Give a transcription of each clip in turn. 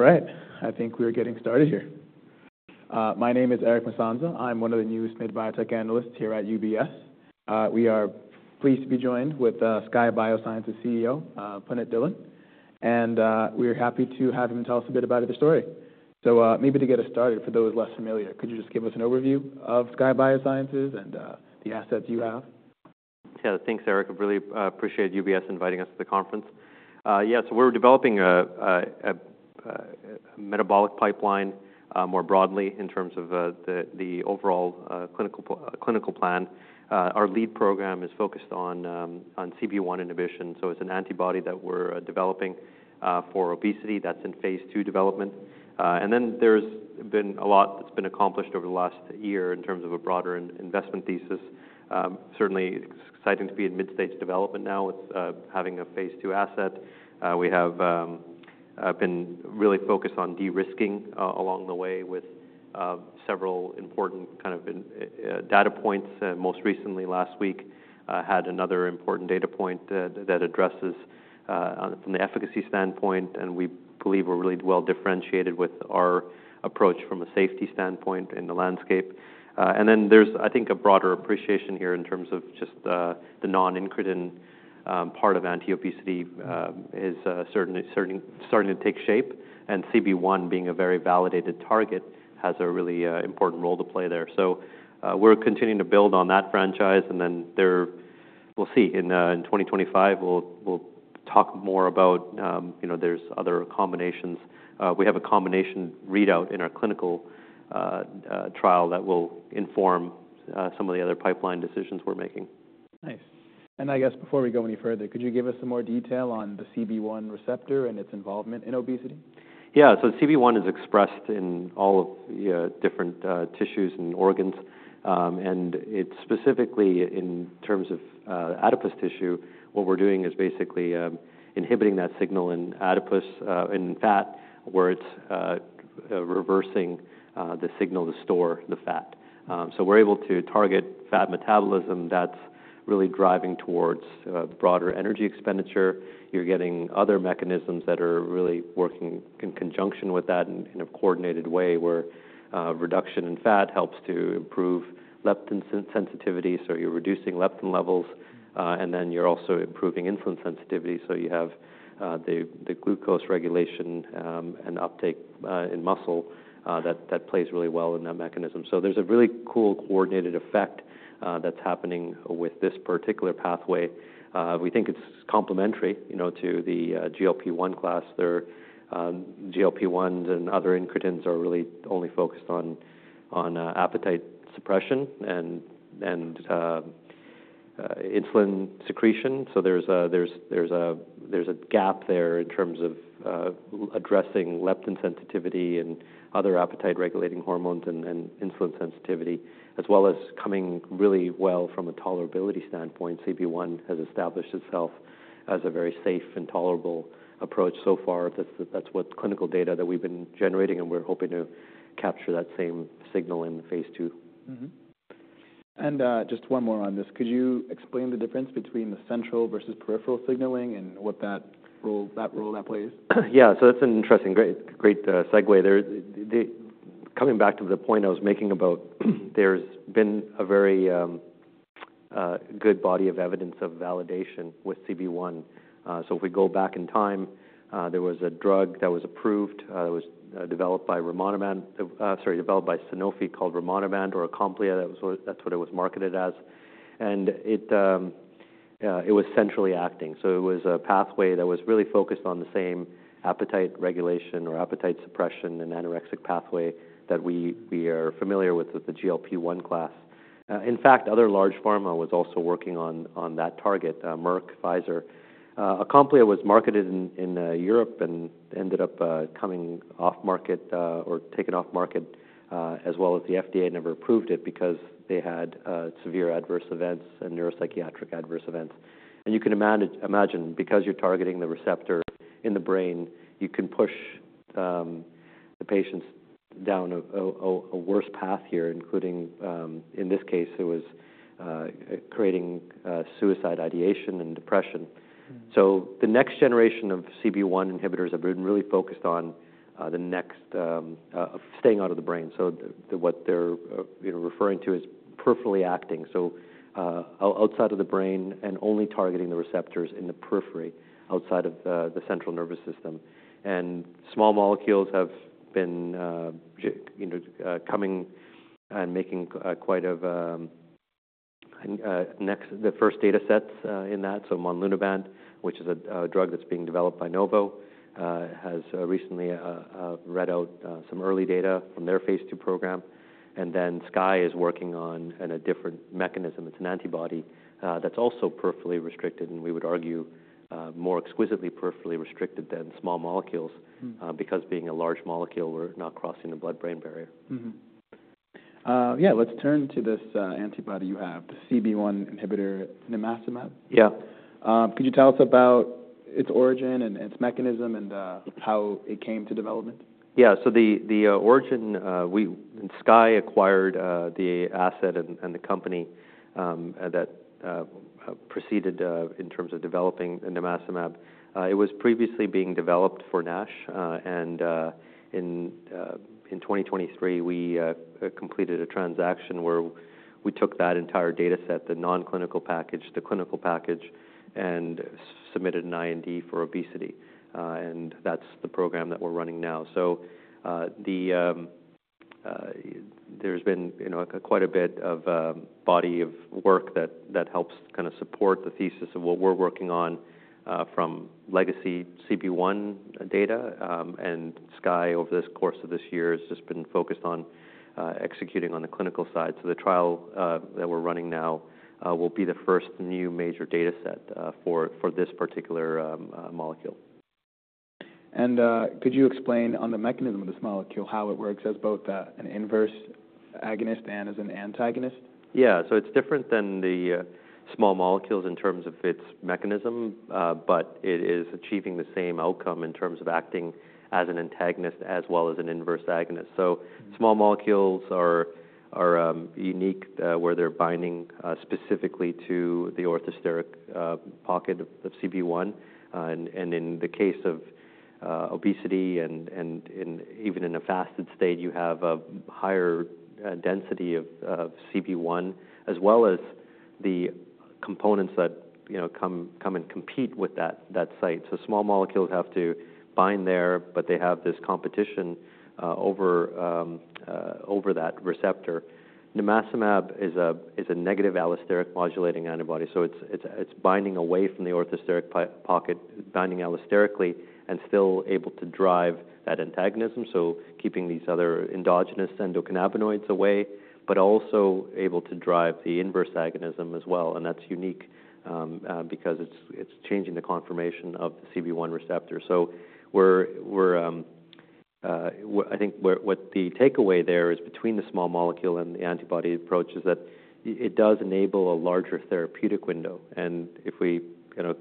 All right. I think we're getting started here. My name is Eric Mwanza. I'm one of the newest SMID biotech analysts here at UBS. We are pleased to be joined with Skye Bioscience's CEO, Punit Dhillon, and we're happy to have him tell us a bit about his story, so maybe to get us started, for those less familiar, could you just give us an overview of Skye Bioscience and the assets you have? Yeah. Thanks, Eric. I really appreciate UBS inviting us to the conference. Yeah. So we're developing a metabolic pipeline more broadly in terms of the the overall clinical plan. Our lead program is focused on on CB1 inhibition. So it's an antibody that we're developing for obesity that's in phase 2 development. And then there's been a lot that's been accomplished over the last year in terms of a broader investment thesis. Certainly, it's exciting to be in mid-stage development now with having a phase 2 asset. We have, have been really focused on de-risking along the way with several important kind of data points. Most recently, last week, had another important data point that addresses from the efficacy standpoint. And we believe we're really well differentiated with our approach from a safety standpoint in the landscape. And then there's, I think, a broader appreciation here in terms of just the non-incretin part of anti-obesity is starting starting starting to take shape. And CB1, being a very validated target, has a really important role to play there. So we're continuing to build on that franchise. And then we'll see. In 2025, we'll we'll talk more about there's other combinations. We have a combination readout in our clinical trial that will inform some of the other pipeline decisions we're making. Nice. And I guess before we go any further, could you give us some more detail on the CB1 receptor and its involvement in obesity? Yeah. So CB1 is expressed in all of the different tissues and organs. And it's specifically in terms of adipose tissue. What we're doing is basically inhibiting that signal in adipose and fat where it's reversing the signal to store the fat. So we're able to target fat metabolism that's really driving towards broader energy expenditure. You're getting other mechanisms that are really working in conjunction with that in a coordinated way where reduction in fat helps to improve leptin sensitivity. So you're reducing leptin levels. And then you're also improving insulin sensitivity. So you have the glucose regulation and uptake in muscle that plays really well in that mechanism. So there's a really cool coordinated effect that's happening with this particular pathway. We think it's complementary to the GLP-1 class. Their GLP-1s and other incretins are really only focused on appetite suppression and and and insulin secretion. So there's there's, there's a gap there in terms of addressing leptin sensitivity and other appetite-regulating hormones and insulin sensitivity, as well as coming really well from a tolerability standpoint. CB1 has established itself as a very safe and tolerable approach so far. That's what clinical data that we've been generating. We're hoping to capture that same signal in phase 2. And just one more on this. Could you explain the difference between the central versus peripheral signaling and what role that plays? Yeah. So that's an interesting, great segue. Coming back to the point I was making about, there's been a very good body of evidence of validation with CB1. So if we go back in time, there was a drug that was approved that was developed by Sanofi called rimonabant or Acomplia. That's what it was marketed as. And it was centrally acting. So it was a pathway that was really focused on the same appetite regulation or appetite suppression and anorexic pathway that we are familiar with with the GLP-1 class. In fact, other large pharma was also working on on that target, Merck, Pfizer. Acomplia was marketed in Europe and ended up coming off market or taken off market, as well as the FDA never approved it because they had severe adverse events and neuropsychiatric adverse events. And you can imagine, because you're targeting the receptor in the brain, you can push the patients down a worse path here, including, in this case, it was creating suicidal ideation and depression. So the next generation of CB1 inhibitors have been really focused on staying out of the brain. So what they're referring to is peripherally acting, so outside of the brain and only targeting the receptors in the periphery outside of the central nervous system. And small molecules have been coming and making quite of a dent in the first data sets in that. So monlunabant, which is a drug that's being developed by Novo, has recently read out some early data from their phase 2 program. And then Skye is working on a different mechanism. It's an antibody that's also peripherally restricted and we would argue more exquisitely peripherally restricted than small molecules because being a large molecule, we're not crossing the blood-brain barrier. Yeah. Let's turn to this antibody you have, the CB1 inhibitor, nimacimab. Yeah. Could you tell us about its origin and its mechanism and how it came to development? Yeah. So the the origin, Skye acquired the asset and the company that preceded in terms of developing nimacimab. It was previously being developed for NASH. And in 2023, we completed a transaction where we took that entire data set, the non-clinical package, the clinical package, and submitted an IND for obesity. And that's the program that we're running now. So there's been quite a bit of body of work that helps kind of support the thesis of what we're working on from legacy CB1 data. And Skye, over this course of this year, has just been focused on executing on the clinical side. So the trial that we're running now will be the first new major data set for this particular molecule. And could you explain on the mechanism of this molecule how it works as both an inverse agonist and as an antagonist? Yeah, so it's different than the small molecules in terms of its mechanism, but it is achieving the same outcome in terms of acting as an antagonist as well as an inverse agonist, so small molecules are are unique where they're binding specifically to the orthosteric pocket of CB1, and in the case of obesity and and even in a fasted state, you have a higher density of CB1 as well as the components that come and compete with that site, so small molecules have to bind there, but they have this competition over over that receptor. Nimacimab is a negative allosteric modulating antibody, so it's binding away from the orthosteric pocket, binding allosterically and still able to drive that antagonism, so keeping these other endogenous endocannabinoids away, but also able to drive the inverse agonism as well, and that's unique because it's changing the conformation of the CB1 receptor. So we're we're, I think what the takeaway there is between the small molecule and the antibody approach is that it does enable a larger therapeutic window. And if we kind of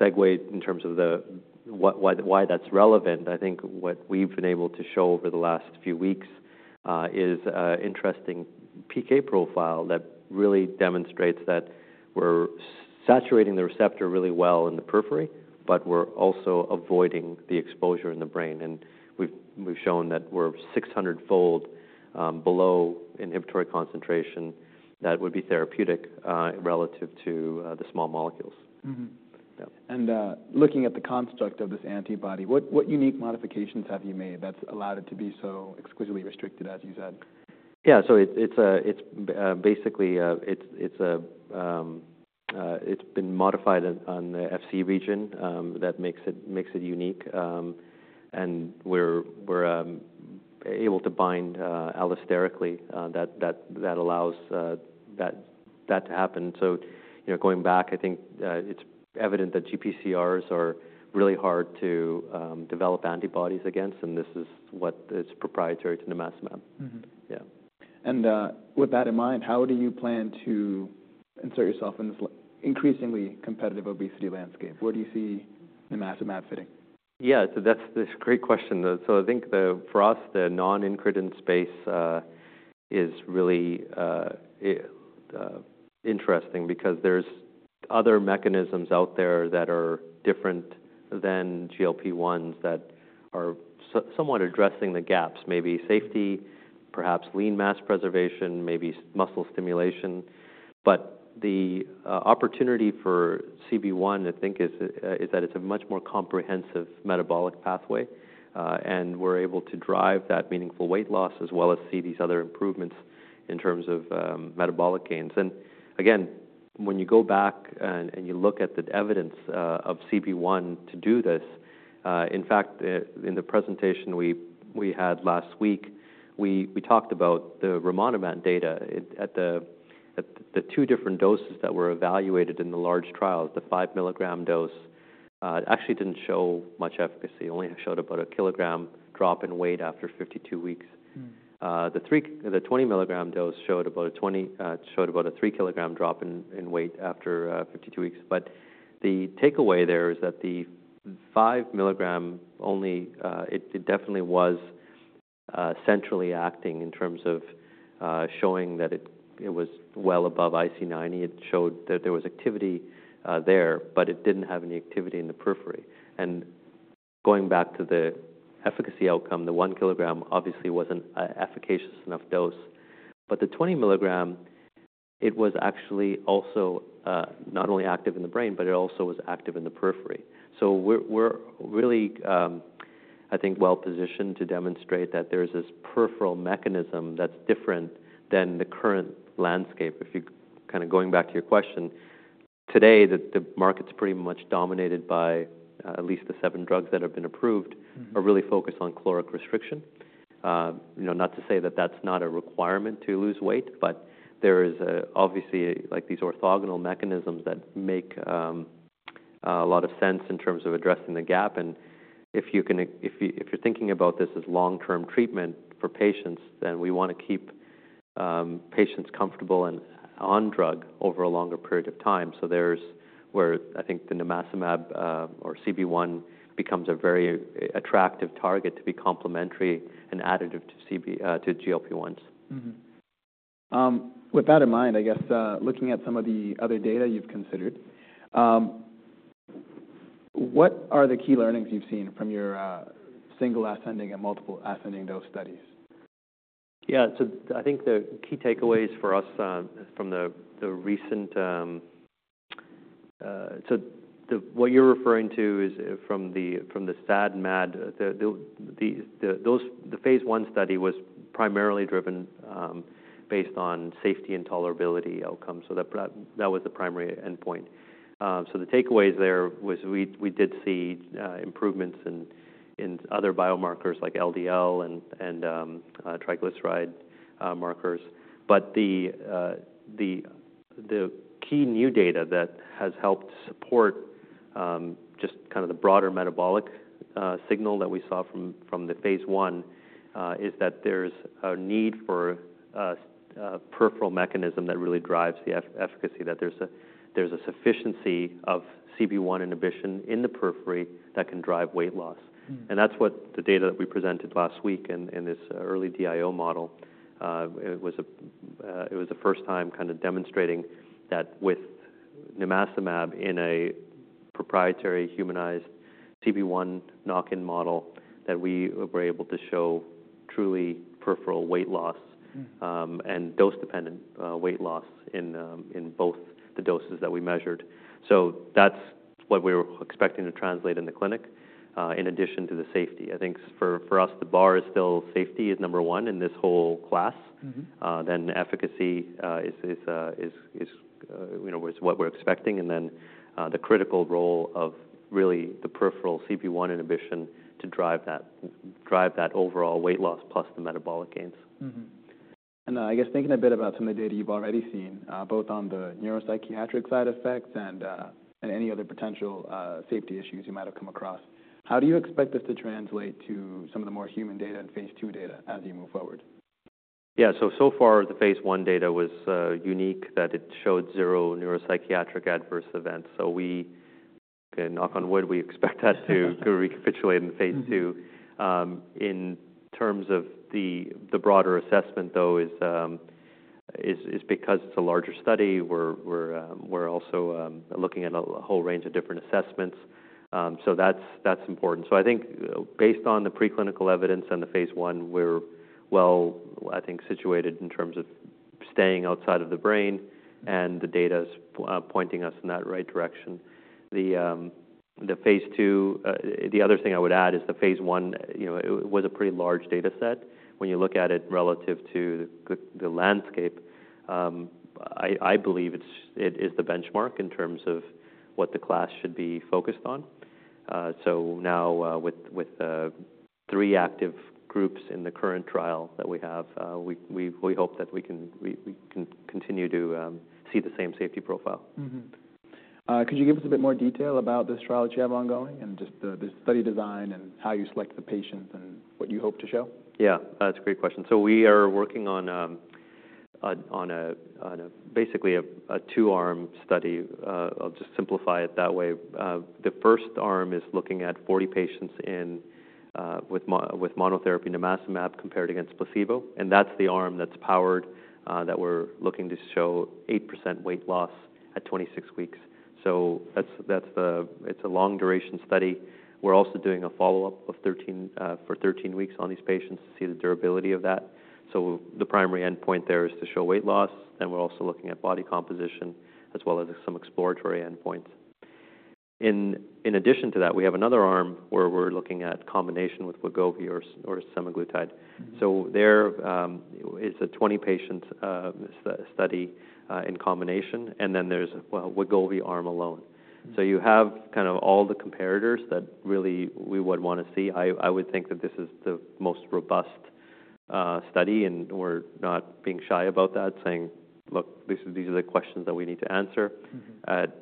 segue in terms of why that's relevant, I think what we've been able to show over the last few weeks is an interesting PK profile that really demonstrates that we're saturating the receptor really well in the periphery, but we're also avoiding the exposure in the brain. And we've shown that we're 600-fold below inhibitory concentration that would be therapeutic relative to the small molecules. And looking at the construct of this antibody, what unique modifications have you made that's allowed it to be so exquisitely restricted, as you said? Yeah. So it's it's basically, it's been modified on the Fc region. That makes it unique. And we're we're able to bind allosterically. That allows that to happen. So going back, I think it's evident that GPCRs are really hard to develop antibodies against. And this is what is proprietary to nimacimab. Yeah. And with that in mind, how do you plan to insert yourself in this increasingly competitive obesity landscape? Where do you see nimacimab fitting? Yeah, so that's a great question. So I think for us, the non-incretin space is really interesting because there's other mechanisms out there that are different than GLP-1s that are somewhat addressing the gaps, maybe safety, perhaps lean mass preservation, maybe muscle stimulation, but the opportunity for CB1, I think, is that it's a much more comprehensive metabolic pathway. And we're able to drive that meaningful weight loss as well as see these other improvements in terms of metabolic gains, and again, when you go back and you look at the evidence of CB1 to do this, in fact, in the presentation we had last week, we talked about the rimonabant data at the, at the two different doses that were evaluated in the large trials. The five-milligram dose actually didn't show much efficacy, only showed about a kilogram drop in weight after 52 weeks. The 20-milligram dose showed about a 3-kilogram drop in weight after 52 weeks, but the takeaway there is that the 5-milligram only definitely was centrally acting in terms of showing that it was well above IC90. It showed that there was activity there, but it didn't have any activity in the periphery, and going back to the efficacy outcome, the one-kilogram obviously wasn't an efficacious enough dose, but the 20-milligram, it would actually also not only was active in the brain, but it also was active in the periphery, so we're we're really, I think, well positioned to demonstrate that there's this peripheral mechanism that's different than the current landscape. If you're kind of going back to your question, today, the market's pretty much dominated by at least the seven drugs that have been approved are really focused on caloric restriction. Not to say that that's not a requirement to lose weight, but there is obviously these orthogonal mechanisms that make a lot of sense in terms of addressing the gap. And if you're, if you're thinking about this as long-term treatment for patients, then we want to keep patients comfortable and on drug over a longer period of time. So there's where I think the nimacimab or CB1 becomes a very attractive target to be complementary and additive to GLP-1s. With that in mind, I guess looking at some of the other data you've considered, what are the key learnings you've seen from your single-ascending and multiple-ascending dose studies? Yeah. So I think the key takeaways for us from the recent so what you're referring to is from the SAD/MAD, the phase 1 study was primarily driven based on safety and tolerability outcome. So that was the primary endpoint. So the takeaways there was we did see improvements in other biomarkers like LDL and triglyceride markers. But the the the key new data that has helped support just kind of the broader metabolic signal that we saw from the phase 1 is that there's a need for a peripheral mechanism that really drives the efficacy, that there's a sufficiency of CB1 inhibition in the periphery that can drive weight loss. And that's what the data that we presented last week in this early DIO model. It was, it was the first time kind of demonstrating that with nimacimab in a proprietary humanized CB1 knock-in model that we were able to show truly peripheral weight loss and dose-dependent weight loss in both the doses that we measured. So that's what we're expecting to translate in the clinic in addition to the safety. I think for us, the bar is still safety is number one in this whole class. Then efficacy is is is what we're expecting. And then the critical role of really the peripheral CB1 inhibition to drive that, drive that overall weight loss plus the metabolic gains. I guess thinking a bit about some of the data you've already seen, both on the neuropsychiatric side effects and any other potential safety issues you might have come across, how do you expect this to translate to some of the more human data and phase 2 data as you move forward? Yeah. So far, the phase 1 data was unique that it showed zero neuropsychiatric adverse events. So we can knock on wood, we expect that to recapitulate in phase 2. In terms of the broader assessment, though, is because it's a larger study, we're we're we're also looking at a whole range of different assessments. So that's important. So I think based on the preclinical evidence and the phase 1, we're well, I think, situated in terms of staying outside of the brain. And the data is pointing us in that right direction. The phase 2, the other thing I would add is the phase 1, it was a pretty large data set. When you look at it relative to the landscape, I believe it is the benchmark in terms of what the class should be focused on. So now with three active groups in the current trial that we have, we hope that we can continue to see the same safety profile. Could you give us a bit more detail about this trial that you have ongoing and just the study design and how you select the patients and what you hope to show? Yeah. That's a great question. So we are working on basically a two-arm study. I'll just simplify it that way. The first arm is looking at 40 patients with monotherapy nimacimab compared against placebo. And that's the arm that's powered that we're looking to show 8% weight loss at 26 weeks. So it's a long-duration study. We're also doing a follow-up for 13 weeks on these patients to see the durability of that. So the primary endpoint there is to show weight loss. Then we're also looking at body composition as well as some exploratory endpoints. In in addition to that, we have another arm where we're looking at combination with Wegovy or semaglutide. So there is a 20-patient study in combination. And then there's a Wegovy arm alone. So you have kind of all the comparators that really we would want to see. I would think that this is the most robust study, and we're not being shy about that, saying, "Look, these are the questions that we need to answer."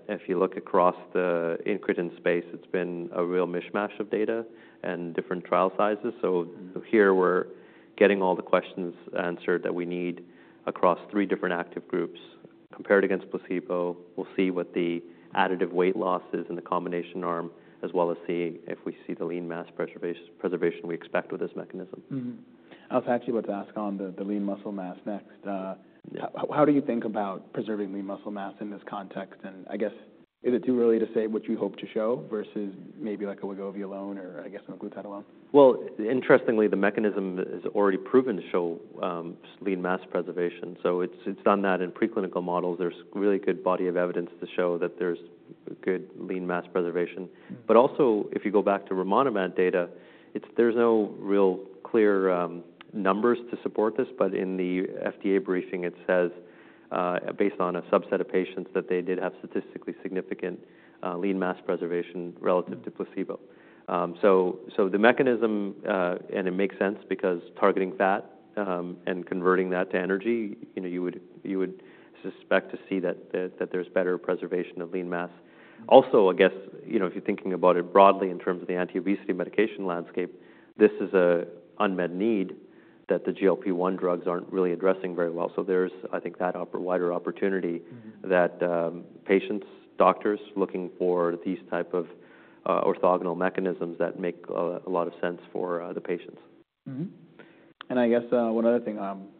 If you look across the incretin space, it's been a real mishmash of data and different trial sizes, so here we're getting all the questions answered that we need across three different active groups compared against placebo. We'll see what the additive weight loss is in the combination arm as well as see if we see the lean mass preservation we expect with this mechanism. I was actually about to ask on the lean muscle mass next. How do you think about preserving lean muscle mass in this context? And I guess, is it too early to say what you hope to show versus maybe like a Wegovy alone or, I guess, a GLP-1 alone? Well, interestingly, the mechanism is already proven to show lean mass preservation. So it's done that in preclinical models. There's really good body of evidence to show that there's good lean mass preservation. But also, if you go back to rimonabant data, there's no real clear numbers to support this. But in the FDA briefing, it says based on a subset of patients that they did have statistically significant lean mass preservation relative to placebo. So so the mechanism, and it makes sense because targeting fat and converting that to energy, you would, you would suspect to see that there's better preservation of lean mass. Also, I guess if you're thinking about it broadly in terms of the anti-obesity medication landscape, this is an unmet need that the GLP-1 drugs aren't really addressing very well. So there's, I think, that wider opportunity that patients, doctors looking for these types of orthogonal mechanisms that make a lot of sense for the patients. And I guess one other thing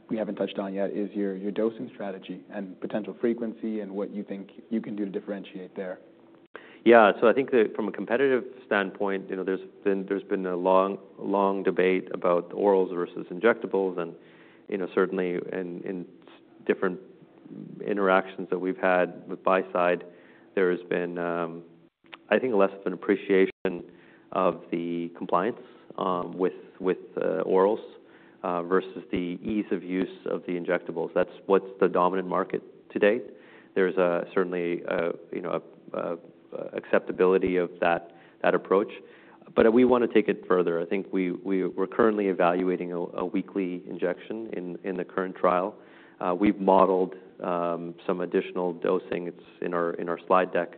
we haven't touched on yet is your dosing strategy and potential frequency and what you think you can do to differentiate there? Yeah, so I think from a competitive standpoint, there's been a long debate about orals versus injectables. And certainly, in different interactions that we've had with buy-side, there has been, I think, less of an appreciation of the compliance with orals versus the ease of use of the injectables. That's what's the dominant market today. There's certainly acceptability of that approach, but we want to take it further. I think we're currently evaluating a weekly injection in the current trial. We've modeled some additional dosing. It's in our slide deck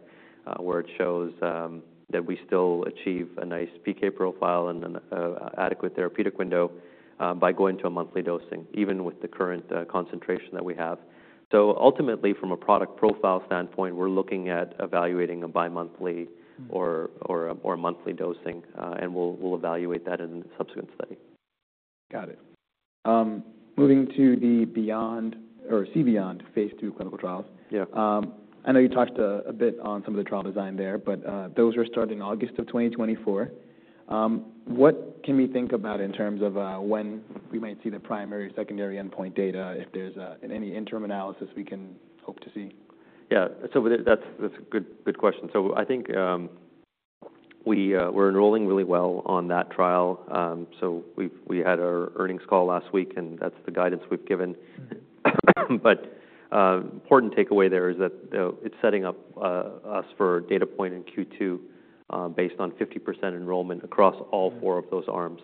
where it shows that we still achieve a nice PK profile and an adequate therapeutic window by going to a monthly dosing, even with the current concentration that we have, so ultimately, from a product profile standpoint, we're looking at evaluating a bi-monthly or a monthly dosing, and we'll evaluate that in a subsequent study. Got it. Moving to the Beyond, CBeyond phase 2 clinical trials. I know you talked a bit on some of the trial design there, but those are starting August of 2024. What can we think about in terms of when we might see the primary or secondary endpoint data if there's any interim analysis we can hope to see? Yeah. So that's a good question. So I think we're enrolling really well on that trial. So we had our earnings call last week. And that's the guidance we've given. But important takeaway there is that it's setting up us for data point in Q2 based on 50% enrollment across all four of those arms.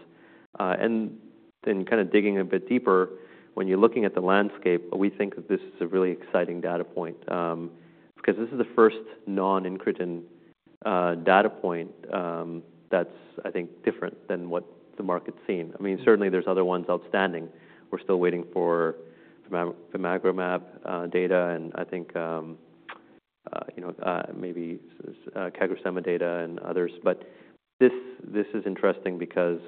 And then kind of digging a bit deeper, when you're looking at the landscape, we think that this is a really exciting data point because this is the first non-incretin data point that's, I think, different than what the market's seen. I mean, certainly, there's other ones outstanding. We're still waiting for MariTide data and I think maybe CagriSema data and others. This, this is interesting because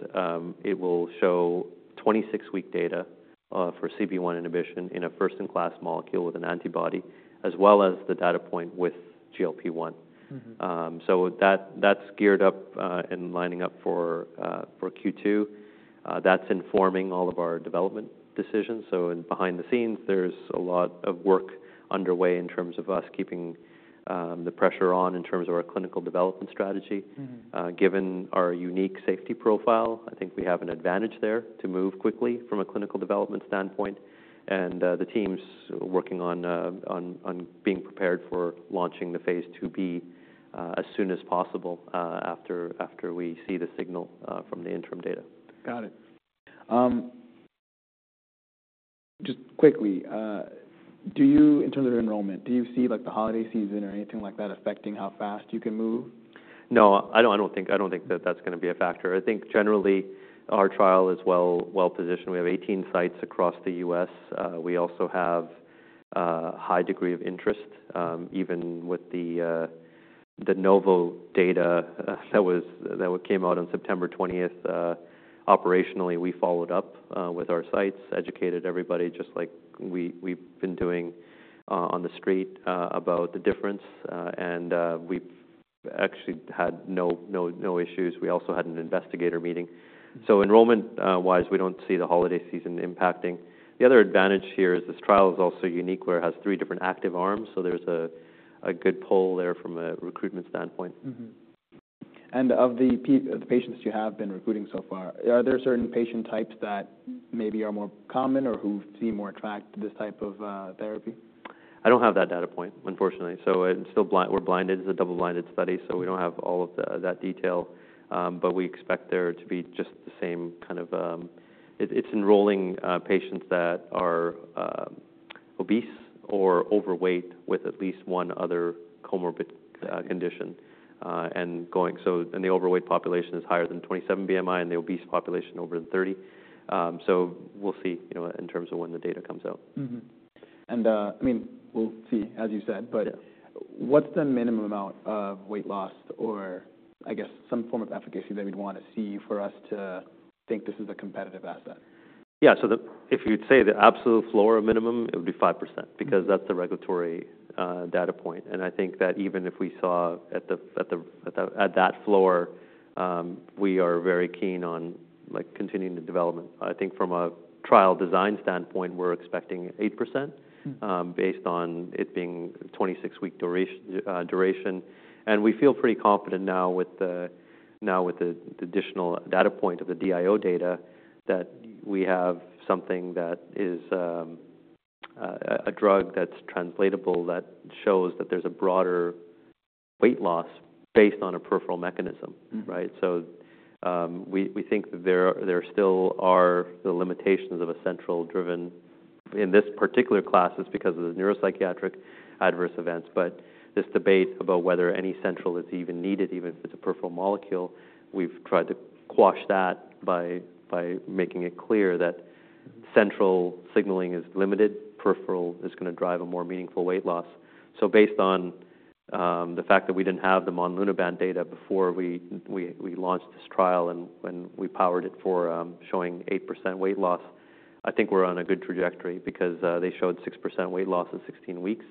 it will show 26-week data for CB1 inhibition in a first-in-class molecule with an antibody as well as the data point with GLP-1. So that's geared up and lining up for Q2. That's informing all of our development decisions. Behind the scenes, there's a lot of work underway in terms of us keeping the pressure on in terms of our clinical development strategy. Given our unique safety profile, I think we have an advantage there to move quickly from a clinical development standpoint. The team's working on on on being prepared for launching the phase 2b as soon as possible after we see the signal from the interim data. Got it. Just quickly, in terms of enrollment, do you see the holiday season or anything like that affecting how fast you can move? No, I don't think that that's going to be a factor. I think generally, our trial is well positioned. We have 18 sites across the U.S. We also have a high degree of interest. Even with the Novo data that came out on September 20, operationally, we followed up with our sites, educated everybody just like we've been doing on the street about the difference, and we actually had no no issues. We also had an investigator meeting, so enrollment-wise, we don't see the holiday season impacting. The other advantage here is this trial is also unique where it has three different active arms, so there's a good pull there from a recruitment standpoint. And of the patients that you have been recruiting so far, are there certain patient types that maybe are more common or who seem more attracted to this type of therapy? I don't have that data point, unfortunately. So we're blinded. It's a double-blinded study. So we don't have all of that detail. But we expect there to be just the same kind of, it's enrolling patients that are obese or overweight with at least one other comorbid condition. And the overweight population is higher than 27 BMI and the obese population over 30. So we'll see in terms of when the data comes out. And I mean, we'll see, as you said. But what's the minimum amount of weight loss or, I guess, some form of efficacy that we'd want to see for us to think this is a competitive asset? Yeah. So if you'd say the absolute floor minimum, it would be 5% because that's the regulatory data point. And I think that even if we saw at that floor, we are very keen on continuing the development. I think from a trial design standpoint, we're expecting 8% based on it being 26-week duration. And we feel pretty confident now with, now with the additional data point of the DIO data that we have something that is a drug that's translatable that shows that there's a broader weight loss based on a peripheral mechanism, right? So we think that there still are the limitations of a central-driven in this particular class. It's because of the neuropsychiatric adverse events. But this debate about whether any central is even needed, even if it's a peripheral molecule, we've tried to quash that by by making it clear that central signaling is limited. Peripheral is going to drive a more meaningful weight loss. So based on the fact that we didn't have the monlunabant data before we launched this trial and we powered it for showing 8% weight loss, I think we're on a good trajectory because they showed 6% weight loss in 16 weeks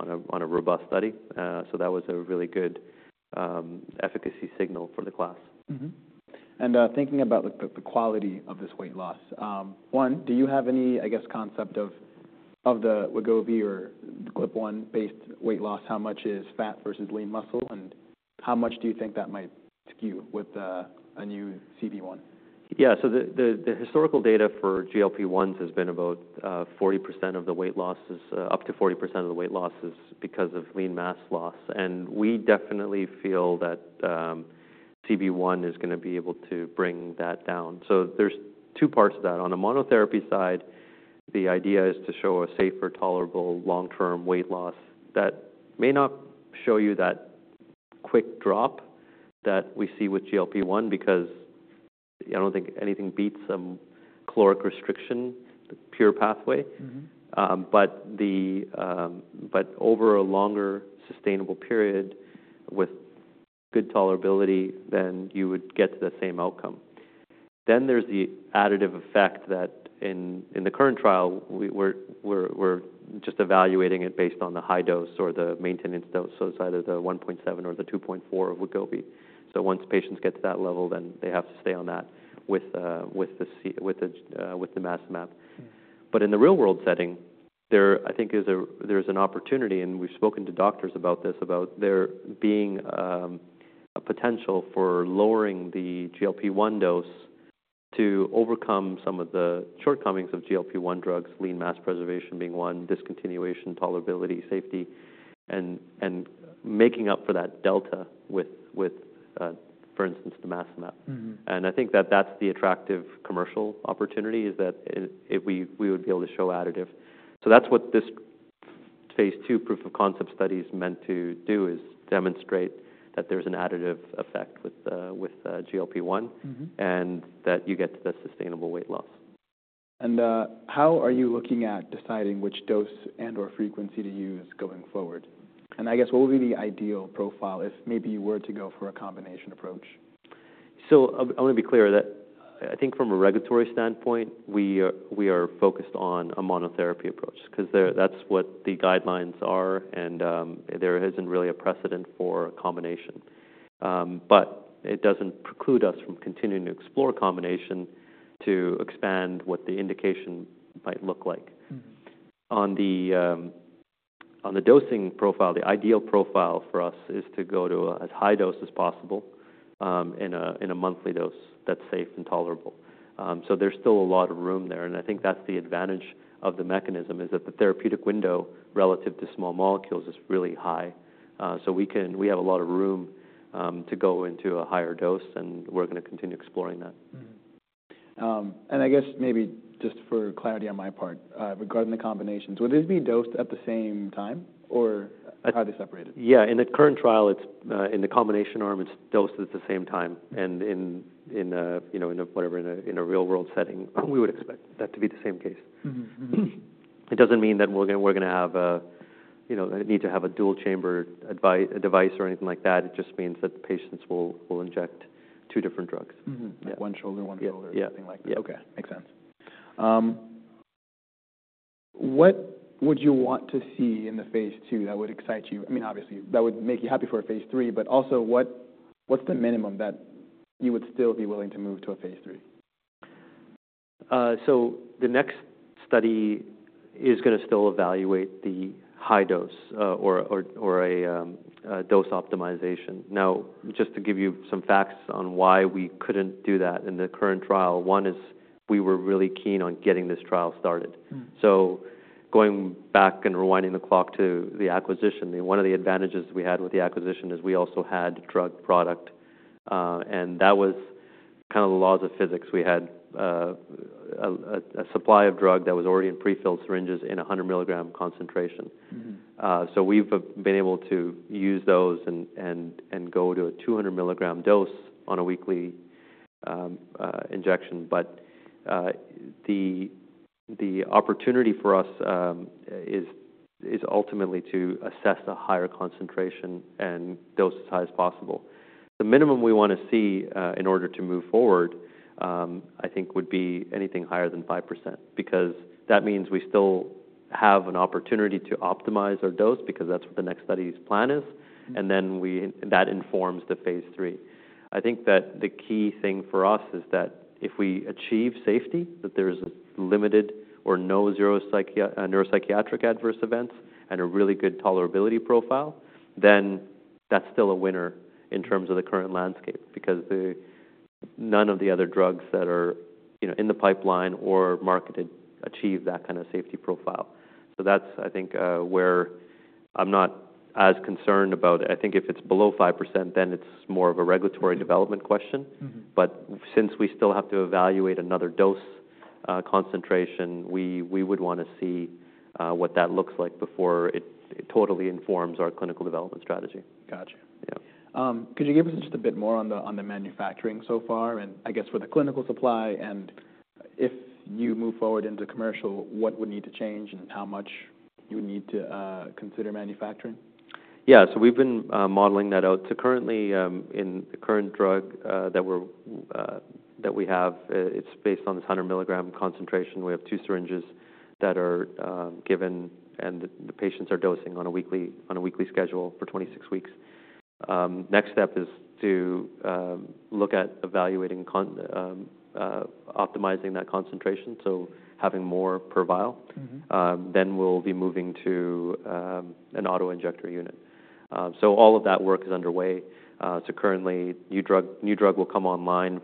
on a robust study. So that was a really good efficacy signal for the class. Thinking about the quality of this weight loss, one, do you have any, I guess, concept of the Wegovy or GLP-1-based weight loss? How much is fat versus lean muscle? And how much do you think that might skew with a new CB1? Yeah. So the historical data for GLP-1s has been about 40% of the weight losses, up to 40% of the weight losses because of lean mass loss. And we definitely feel that CB1 is going to be able to bring that down. So there's two parts of that. On a monotherapy side, the idea is to show a safer, tolerable, long-term weight loss that may not show you that quick drop that we see with GLP-1 because I don't think anything beats a caloric restriction, the pure pathway. But the, over a longer sustainable period with good tolerability, then you would get to that same outcome. Then there's the additive effect that in the current trial, we're we're just evaluating it based on the high dose or the maintenance dose. So it's either the 1.7 or the 2.4 of Wegovy. So once patients get to that level, then they have to stay on that with the nimacimab. But in the real-world setting, I think there's an opportunity. And we've spoken to doctors about this, about there being a potential for lowering the GLP-1 dose to overcome some of the shortcomings of GLP-1 drugs, lean mass preservation being one, discontinuation, tolerability, safety, and and making up for that delta with with, for instance, the nimacimab. And I think that that's the attractive commercial opportunity is that we would be able to show additive. So that's what this phase 2 proof of concept study is meant to do is demonstrate that there's an additive effect with GLP-1 and that you get to the sustainable weight loss. And how are you looking at deciding which dose and/or frequency to use going forward? And I guess, what would be the ideal profile if maybe you were to go for a combination approach? So I want to be clear that I think from a regulatory standpoint, we, we are focused on a monotherapy approach because that's what the guidelines are. And there isn't really a precedent for a combination. But it doesn't preclude us from continuing to explore a combination to expand what the indication might look like. On the, on the dosing profile, the ideal profile for us is to go to as high a dose as possible in a, in a monthly dose that's safe and tolerable. So there's still a lot of room there. And I think that's the advantage of the mechanism is that the therapeutic window relative to small molecules is really high. So we have a lot of room to go into a higher dose. And we're going to continue exploring that. And I guess maybe just for clarity on my part, regarding the combinations, would this be dosed at the same time or are they separated? Yeah. In the current trial, in the combination arm, it's dosed at the same time. And and in whatever, in a real-world setting, we would expect that to be the same case. It doesn't mean that we're going to have a need to have a dual-chamber device or anything like that. It just means that patients will inject two different drugs. One shoulder, one shoulder, something like that. Yeah. Okay. Makes sense. What would you want to see in the phase 2 that would excite you? I mean, obviously, that would make you happy for a phase 3. But also, what's the minimum that you would still be willing to move to a phase 3? So the next study is going to still evaluate the high dose or or a dose optimization. Now, just to give you some facts on why we couldn't do that in the current trial, one is we were really keen on getting this trial started. So going back and rewinding the clock to the acquisition, one of the advantages we had with the acquisition is we also had drug product. And that was kind of the laws of physics. We had a supply of drug that was already in prefilled syringes in a 100-milligram concentration. So we've been able to use those and go to a 200-milligram dose on a weekly injection. But the, the opportunity for us is ultimately to assess a higher concentration and dose as high as possible. The minimum we want to see in order to move forward, I think, would be anything higher than 5% because that means we still have an opportunity to optimize our dose because that's what the next study's plan is, and then that informs the phase 3. I think that the key thing for us is that if we achieve safety, that there is a limited or no neuropsychiatric adverse events and a really good tolerability profile, then that's still a winner in terms of the current landscape because none of the other drugs that are in the pipeline or marketed achieve that kind of safety profile, so that's, I think, where I'm not as concerned about it. I think if it's below 5%, then it's more of a regulatory development question. But since we still have to evaluate another dose concentration, we would want to see what that looks like before it totally informs our clinical development strategy. Gotcha. Could you give us just a bit more on the manufacturing so far? And I guess for the clinical supply and if you move forward into commercial, what would need to change and how much you would need to consider manufacturing? Yeah. So we've been modeling that out. So currently, in the current drug that we have, it's based on this 100-milligram concentration. We have two syringes that are given, and the patients are dosing on a weekly, weekly schedule for 26 weeks. Next step is to look at evaluating optimizing that concentration, so having more per vial. Then we'll be moving to an autoinjector unit. So all of that work is underway. So currently, new drug, new drug will come online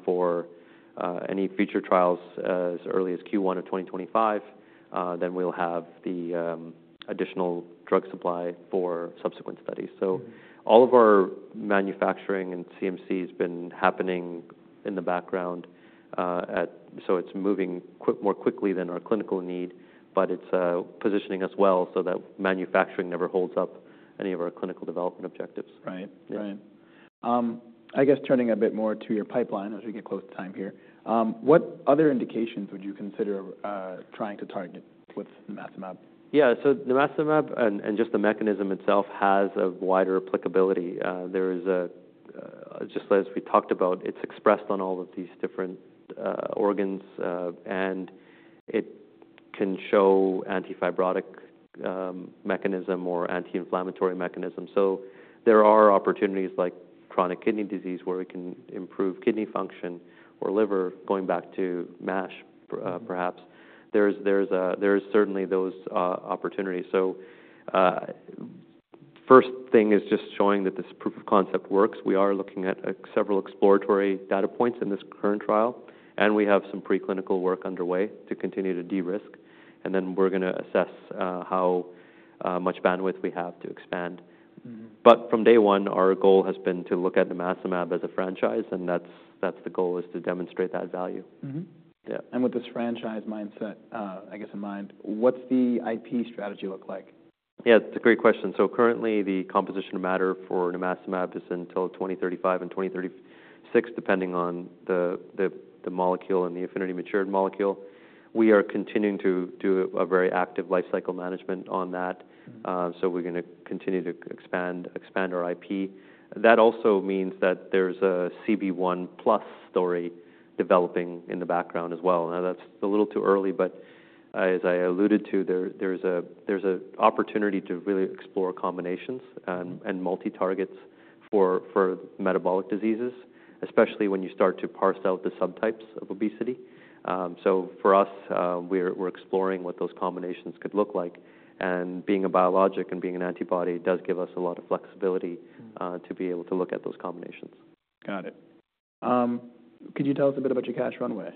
for any future trials as early as Q1 of 2025. Then we'll have the additional drug supply for subsequent studies. So all of our manufacturing and CMC has been happening in the background. So it's moving more quickly than our clinical need. But it's positioning us well so that manufacturing never holds up any of our clinical development objectives. Right. Right. I guess turning a bit more to your pipeline as we get close to time here, what other indications would you consider trying to target with nimacimab? Yeah. So nimacimab and just the mechanism itself has a wider applicability. There's a, just as we talked about, it's expressed on all of these different organs. And it can show antifibrotic mechanism or anti-inflammatory mechanism. So there are opportunities like chronic kidney disease where it can improve kidney function or liver, going back to MASH, perhaps. There's there's there's certainly those opportunities. So first thing is just showing that this proof of concept works. We are looking at several exploratory data points in this current trial. And we have some preclinical work underway to continue to de-risk. And then we're going to assess how much bandwidth we have to expand. But from day one, our goal has been to look at nimacimab as a franchise. And that's the goal is to demonstrate that value. Yeah. With this franchise mindset, I guess, in mind, what's the IP strategy look like? Yeah. It's a great question, so currently, the composition of matter for nimacimab is until 2035 and 2036, depending on the molecule and the affinity-matured molecule. We are continuing to do a very active life cycle management on that, so we're going to continue to expand our IP. That also means that there's a CB1 plus story developing in the background as well. Now, that's a little too early, but as I alluded to, there's, there's an opportunity to really explore combinations and multi-targets for for metabolic diseases, especially when you start to parse out the subtypes of obesity, so for us, we're exploring what those combinations could look like. And being a biologic and being an antibody does give us a lot of flexibility to be able to look at those combinations. Got it. Could you tell us a bit about your cash runway?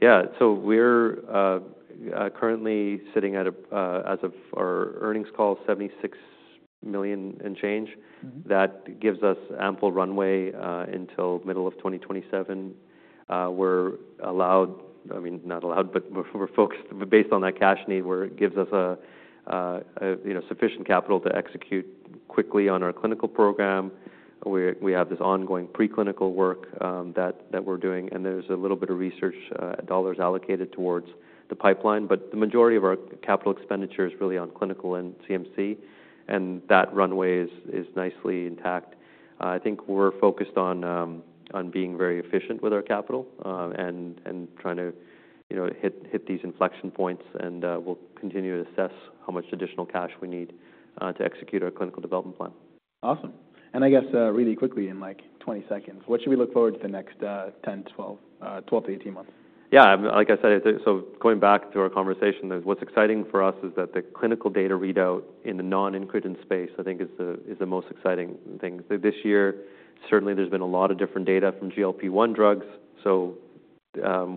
Yeah. So we're, we're currently sitting at, as of our earnings call, $76 million and change. That gives us ample runway until middle of 2027. We're allowed, I mean, not allowed, but we're focused based on that cash need where it gives us sufficient capital to execute quickly on our clinical program. We have this ongoing preclinical work that we're doing. And there's a little bit of research dollars allocated towards the pipeline. But the majority of our capital expenditure is really on clinical and CMC. And that runway is nicely intact. I think we're focused on, on being very efficient with our capital and trying to hit these inflection points. And we'll continue to assess how much additional cash we need to execute our clinical development plan. Awesome. And I guess really quickly, in like 20 seconds, what should we look forward to the next 10, 12, 18 months? Yeah. Like I said, so going back to our conversation, what's exciting for us is that the clinical data readout in the non-incretin space, I think, is the most exciting thing. This year, certainly, there's been a lot of different data from GLP-1 drugs. So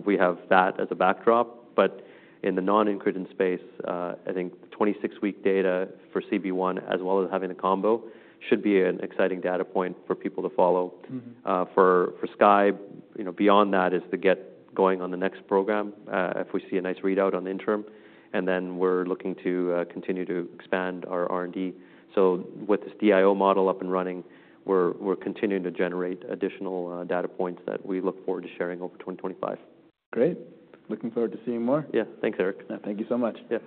we have that as a backdrop. But in the non-incretin space, I think 26-week data for CB1, as well as having a combo, should be an exciting data point for people to follow. For Sky, beyond that is to get going on the next program if we see a nice readout on the interim. And then we're looking to continue to expand our R&D. So with this DIO model up and running, we're continuing to generate additional data points that we look forward to sharing over 2025. Great. Looking forward to seeing more. Yeah. Thanks, Eric. Yeah. Thank you so much.